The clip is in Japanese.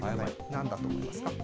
なんだと思いますか？